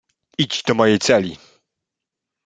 "Idź do mojej celi!"